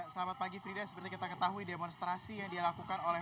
selamat pagi frida seperti kita ketahui demonstrasi yang dilakukan oleh